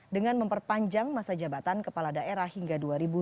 dengan memperpanjang masa jabatan kepala daerah hingga dua ribu dua puluh